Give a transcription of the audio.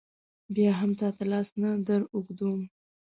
بیا هم تا ته لاس نه در اوږدوم.